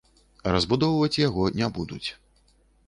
Разбудоўваць яго не будуць.